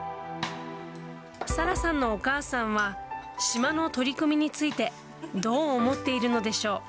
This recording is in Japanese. サラさんのお母さんは、島の取り組みについて、どう思っているのでしょう。